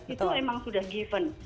itu emang sudah given